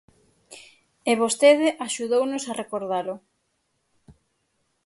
E vostede axudounos a recordalo.